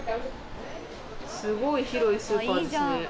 すごい広いスーパーですね。